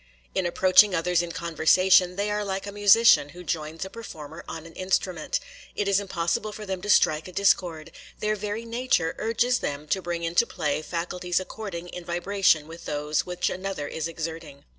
In approaching others in conversation, they are like a musician who joins a performer on an instrument,—it is impossible for them to strike a discord; their very nature urges them to bring into play faculties according in vibration with those which another is exerting.